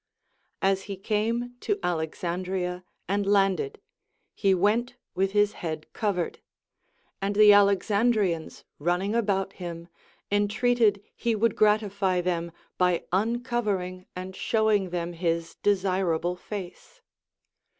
As he came to Alexandria and landed, he went with his head covered, and the Alexandrians running about him en treated he would gratify them by uncovering and showing them his desirable face.